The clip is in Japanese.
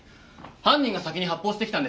犯人が先に発砲してきたんです。